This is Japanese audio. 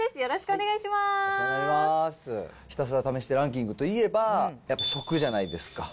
ひたすら試してランキングといえば、やっぱり食じゃないですか。